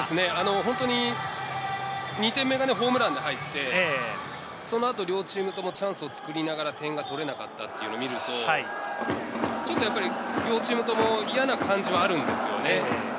本当に２点目がホームランで入って、そのあと両チームともチャンスをつくりながら点が取れなかったというのを見ると、ちょっと両チームとも嫌な感じはあるんですよね。